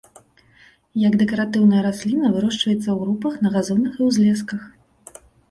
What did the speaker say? Як дэкаратыўная расліна вырошчваецца ў групах на газонах і ўзлесках.